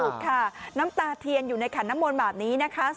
ถูกค่ะน้ำตาเทียนอยู่ในขันน้ำมนต์แบบนี้นะคะ